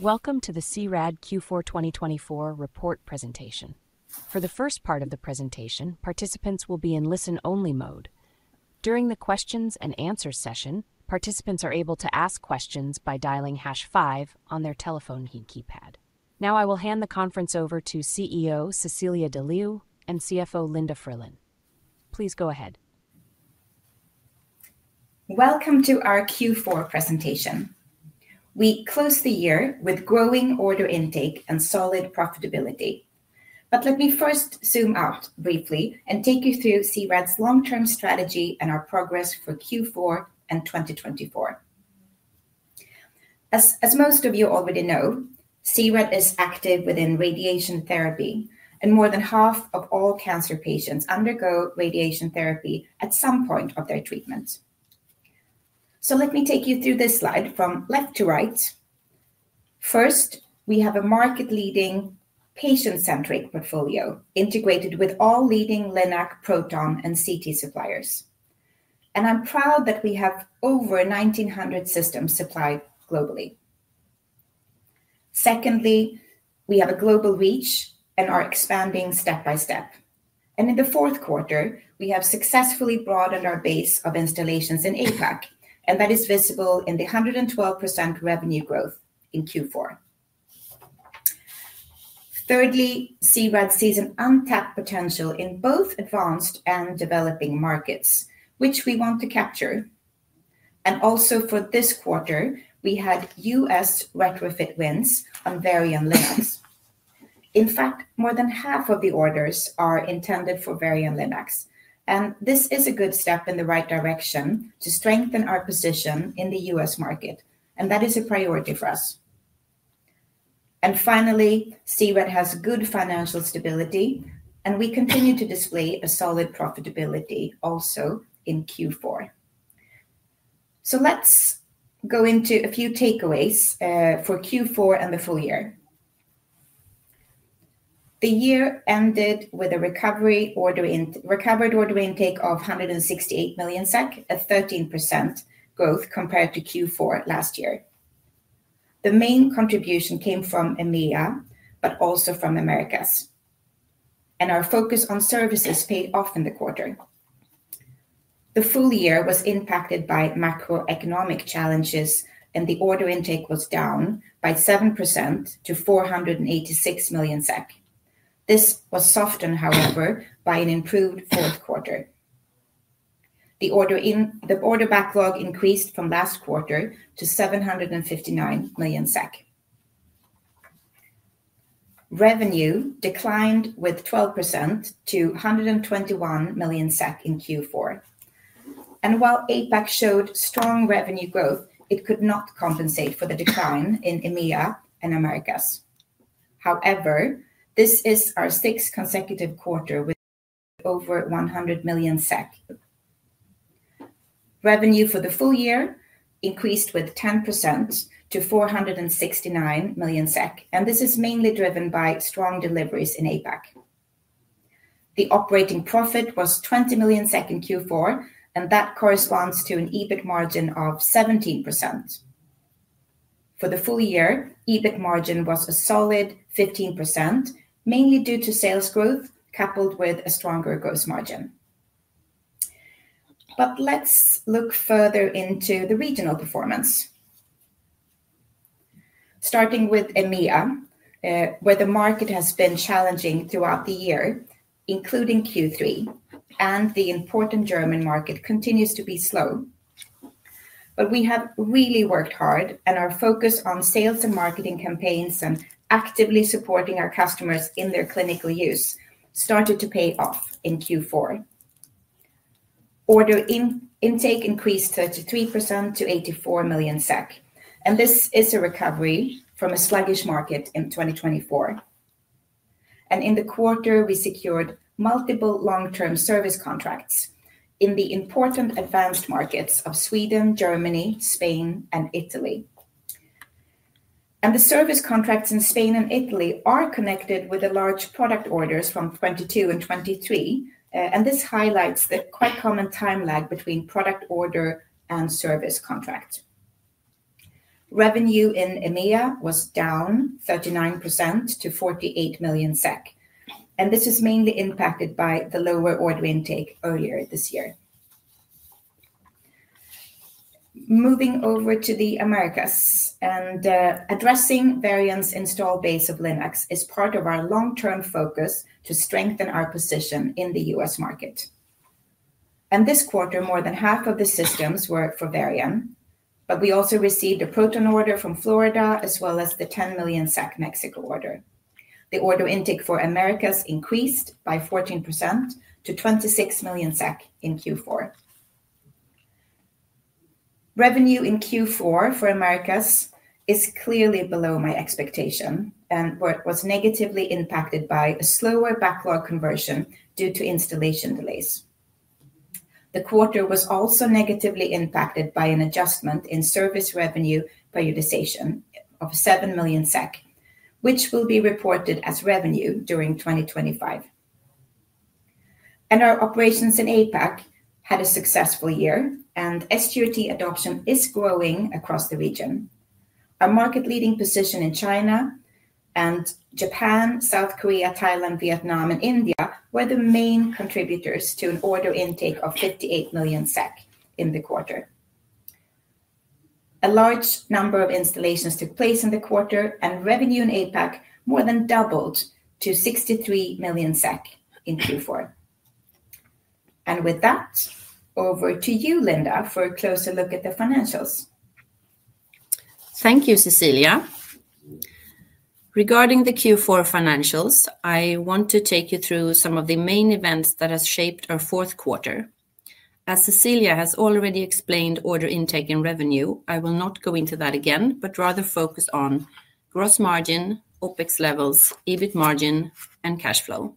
Welcome to the C-RAD Q4 2024 report presentation. For the first part of the presentation, participants will be in listen-only mode. During the questions and answers session, participants are able to ask questions by dialing Hash five on their telephone keypad. Now, I will hand the conference over to CEO Cecilia de Leeuw and CFO Linda Frölén. Please go ahead. Welcome to our Q4 presentation. We close the year with growing order intake and solid profitability. Let me first zoom out briefly and take you through C-RAD's long-term strategy and our progress for Q4 and 2024. As most of you already know, C-RAD is active within radiation therapy, and more than half of all cancer patients undergo radiation therapy at some point of their treatment. Let me take you through this slide from left to right. First, we have a market-leading, patient-centric portfolio integrated with all leading LINAC, Proton, and CT suppliers. I'm proud that we have over 1,900 systems supplied globally. Secondly, we have a global reach and are expanding step by step. In the fourth quarter, we have successfully broadened our base of installations in APAC, and that is visible in the 112% revenue growth in Q4. Thirdly, C-RAD sees an untapped potential in both advanced and developing markets, which we want to capture. Also, for this quarter, we had U.S. retrofit wins on Varian LINACs. In fact, more than half of the orders are intended for Varian LINACs, and this is a good step in the right direction to strengthen our position in the U.S. market, and that is a priority for us. Finally, C-RAD has good financial stability, and we continue to display a solid profitability also in Q4. Let's go into a few takeaways for Q4 and the full year. The year ended with a recovered order intake of 168 million SEK, a 13% growth compared to Q4 last year. The main contribution came from EMEA, but also from Americas. Our focus on services paid off in the quarter. The full-year was impacted by macroeconomic challenges, and the order intake was down by 7% to 486 million SEK. This was softened, however, by an improved fourth quarter. The order backlog increased from last quarter to 759 million SEK. Revenue declined with 12% to 121 million SEK in Q4. While APAC showed strong revenue growth, it could not compensate for the decline in EMEA and Americas. However, this is our sixth consecutive quarter with over 100 million SEK. Revenue for the full-year increased with 10% to 469 million SEK, and this is mainly driven by strong deliveries in APAC. The operating profit was 20 million in Q4, and that corresponds to an EBIT margin of 17%. For the full-year, EBIT margin was a solid 15%, mainly due to sales growth coupled with a stronger gross margin. Let's look further into the regional performance. Starting with EMEA, where the market has been challenging throughout the year, including Q3, the important German market continues to be slow. We have really worked hard, and our focus on sales and marketing campaigns and actively supporting our customers in their clinical use started to pay off in Q4. Order intake increased 33% to 84 million SEK, and this is a recovery from a sluggish market in 2024. In the quarter, we secured multiple long-term service contracts in the important advanced markets of Sweden, Germany, Spain, and Italy. The service contracts in Spain and Italy are connected with the large product orders from 2022 and 2023, and this highlights the quite common time lag between product order and service contract. Revenue in EMEA was down 39% to 48 million SEK, and this is mainly impacted by the lower order intake earlier this year. Moving over to the Americas, and addressing Varian's install base of LINACs is part of our long-term focus to strengthen our position in the U.S. market. This quarter, more than half of the systems were for Varian, but we also received a Proton order from Florida, as well as the 10 million Mexico order. The order intake for Americas increased by 14% to 26 million SEK in Q4. Revenue in Q4 for Americas is clearly below my expectation and was negatively impacted by a slower backlog conversion due to installation delays. The quarter was also negatively impacted by an adjustment in service revenue prioritization of 7 million SEK, which will be reported as revenue during 2025. Our operations in APAC had a successful year, and SGRT adoption is growing across the region. Our market-leading position in China and Japan, South Korea, Thailand, Vietnam, and India were the main contributors to an order intake of 58 million SEK in the quarter. A large number of installations took place in the quarter, and revenue in APAC more than doubled to 63 million SEK in Q4. With that, over to you, Linda, for a closer look at the financials. Thank you, Cecilia. Regarding the Q4 financials, I want to take you through some of the main events that have shaped our fourth quarter. As Cecilia has already explained order intake and revenue, I will not go into that again, but rather focus on gross margin, OpEx levels, EBIT margin, and cash flow.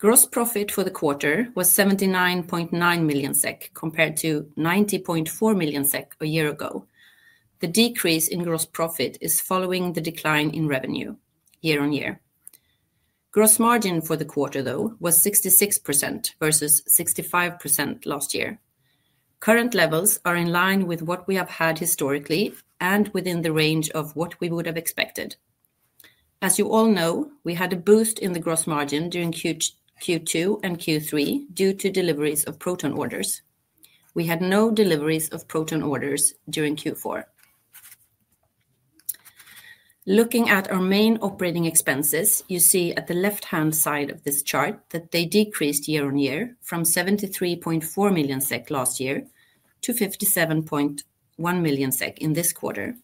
Gross profit for the quarter was 79.9 million SEK compared to 90.4 million SEK a year ago. The decrease in gross profit is following the decline in revenue year-on-year. Gross margin for the quarter, though, was 66% versus 65% last year. Current levels are in line with what we have had historically and within the range of what we would have expected. As you all know, we had a boost in the gross margin during Q2 and Q3 due to deliveries of Proton orders. We had no deliveries of Proton orders during Q4. Looking at our main operating expenses, you see at the left-hand side of this chart that they decreased year-on-year from 73.4 million SEK last year to 57.1 million SEK in this quarter.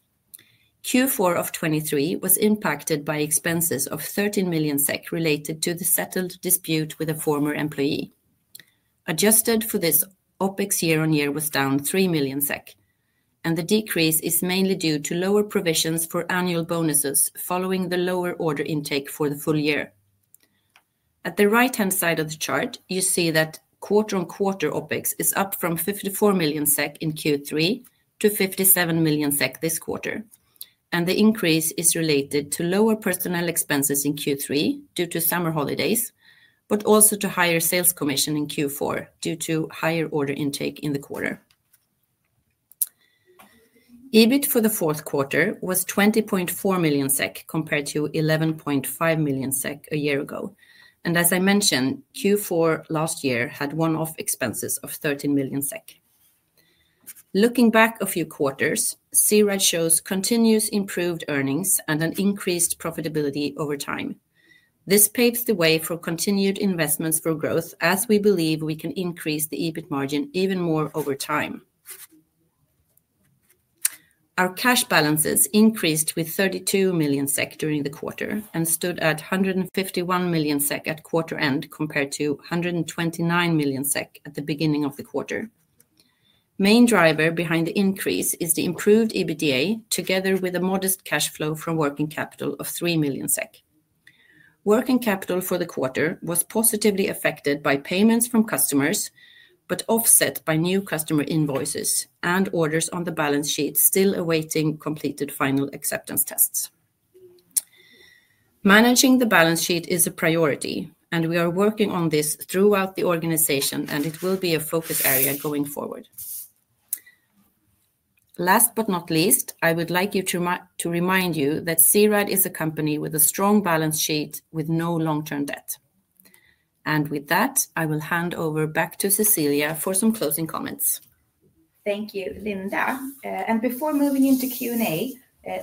Q4 of 2023 was impacted by expenses of 13 million SEK related to the settled dispute with a former employee. Adjusted for this, OpEx year-on-year was down 3 million SEK, and the decrease is mainly due to lower provisions for annual bonuses following the lower order intake for the full-year. At the right-hand side of the chart, you see that quarter-on-quarter OpEx is up from 54 million SEK in Q3 to 57 million SEK this quarter, and the increase is related to lower personnel expenses in Q3 due to summer holidays, but also to higher sales commission in Q4 due to higher order intake in the quarter. EBIT for the fourth quarter was 20.4 million SEK compared to 11.5 million SEK a year ago. As I mentioned, Q4 last year had one-off expenses of 13 million SEK. Looking back a few quarters, C-RAD shows continuous improved earnings and an increased profitability over time. This paves the way for continued investments for growth as we believe we can increase the EBIT margin even more over time. Our cash balances increased with 32 million SEK during the quarter and stood at 151 million SEK at quarter end compared to 129 million SEK at the beginning of the quarter. Main driver behind the increase is the improved EBITDA together with a modest cash flow from working capital of 3 million SEK. Working capital for the quarter was positively affected by payments from customers, but offset by new customer invoices and orders on the balance sheet still awaiting completed final acceptance tests. Managing the balance sheet is a priority, and we are working on this throughout the organization, and it will be a focus area going forward. Last but not least, I would like to remind you that C-RAD is a company with a strong balance sheet with no long-term debt. With that, I will hand over back to Cecilia for some closing comments. Thank you, Linda. Before moving into Q&A,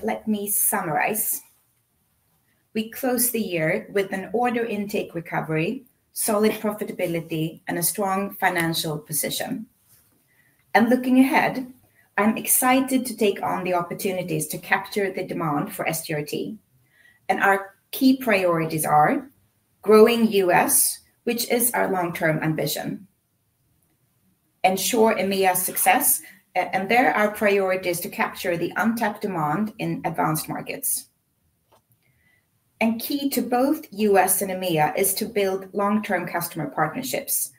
let me summarize. We closed the year with an order intake recovery, solid profitability, and a strong financial position. Looking ahead, I'm excited to take on the opportunities to capture the demand for SGRT. Our key priorities are growing U.S., which is our long-term ambition, ensure EMEA success, and there are priorities to capture the untapped demand in advanced markets. Key to both U.S. and EMEA is to build long-term customer partnerships.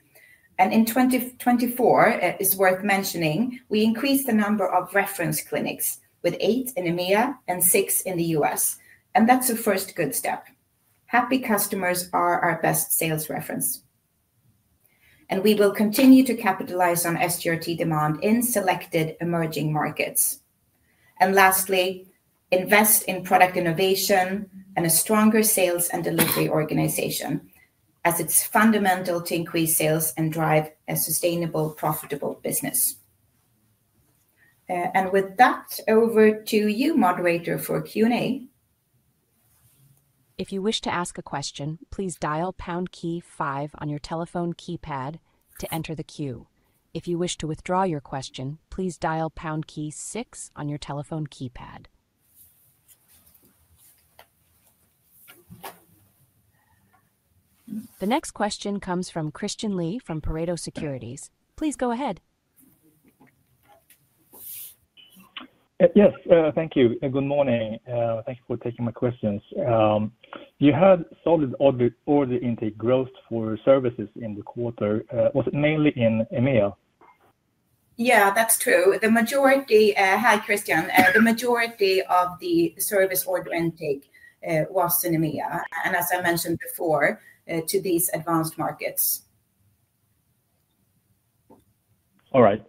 In 2024, it is worth mentioning we increased the number of reference clinics with eight in EMEA and six in the U.S. That is a first good step. Happy customers are our best sales reference. We will continue to capitalize on SGRT demand in selected emerging markets. Lastly, invest in product innovation and a stronger sales and delivery organization, as it's fundamental to increase sales and drive a sustainable, profitable business. With that, over to you, moderator, for Q&A. If you wish to ask a question, please dial Pound key five on your telephone keypad to enter the queue. If you wish to withdraw your question, please dial Pound key six on your telephone keypad. The next question comes from Christian Lee from Pareto Securities. Please go ahead. Yes, thank you. Good morning. Thank you for taking my questions. You had solid order intake growth for services in the quarter. Was it mainly in EMEA? Yeah, that's true. The majority, hi Christian, the majority of the service order intake was in EMEA. As I mentioned before, to these advanced markets. All right.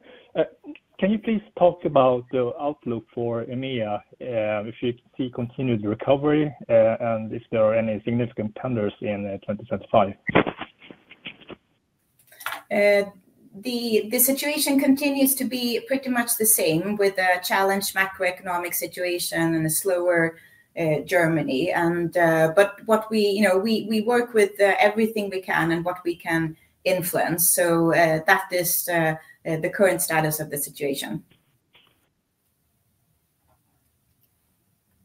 Can you please talk about the outlook for EMEA if you see continued recovery and if there are any significant tenders in 2025? The situation continues to be pretty much the same with a challenged macroeconomic situation and a slower Germany. We work with everything we can and what we can influence. That is the current status of the situation.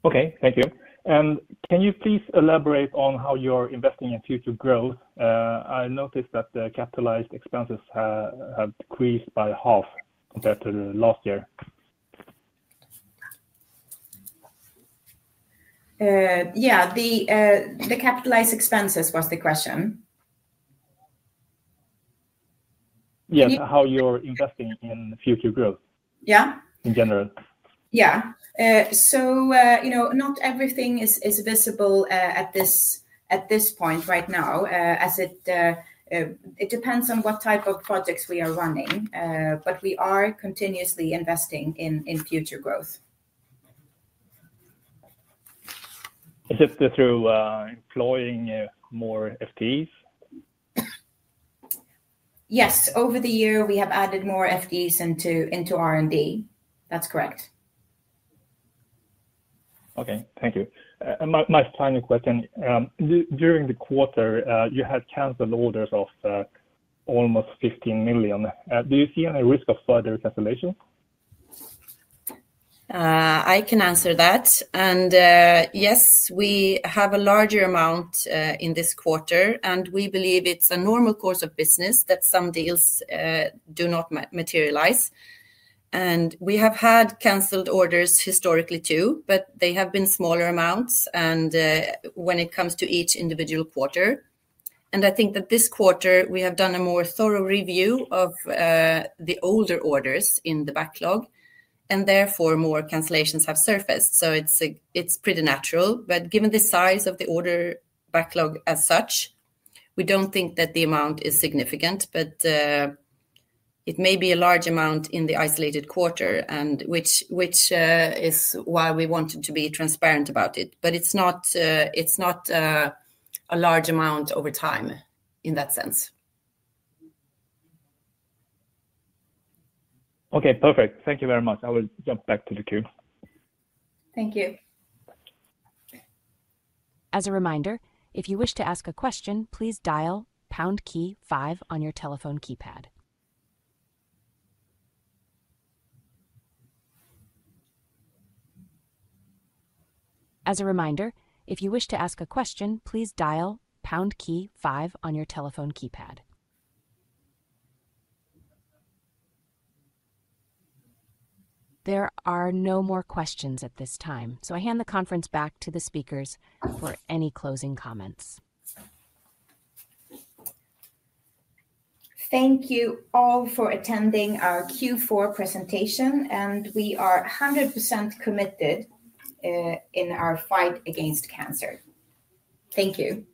Okay, thank you. Can you please elaborate on how you're investing into growth? I noticed that the capitalized expenses have decreased by half compared to last year. Yeah, the capitalized expenses was the question. Yeah. How you're investing in future growth in general? Yeah. Not everything is visible at this point right now. It depends on what type of projects we are running, but we are continuously investing in future growth. Is it through employing more FTEs? Yes, over the year we have added more FTEs into R&D. That's correct. Okay, thank you. My final question. During the quarter, you had canceled orders of almost 15 million. Do you see any risk of further cancellation? I can answer that. Yes, we have a larger amount in this quarter, and we believe it's a normal course of business that some deals do not materialize. We have had canceled orders historically too, but they have been smaller amounts when it comes to each individual quarter. I think that this quarter we have done a more thorough review of the older orders in the backlog, and therefore more cancellations have surfaced. It is pretty natural. Given the size of the order backlog as such, we do not think that the amount is significant, but it may be a large amount in the isolated quarter, which is why we wanted to be transparent about it. It is not a large amount over time in that sense. Okay, perfect. Thank you very much. I will jump back to the queue. Thank you. As a reminder, if you wish to ask a question, please dial Pound key five on your telephone keypad. As a reminder, if you wish to ask a question, please dial Pound key five on your telephone keypad. There are no more questions at this time, so I hand the conference back to the speakers for any closing comments. Thank you all for attending our Q4 presentation, and we are 100% committed in our fight against cancer. Thank you.